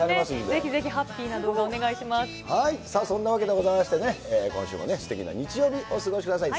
ぜひぜひ、さあ、そんなわけでございましてね、今週もすてきな日曜日お過ごしください。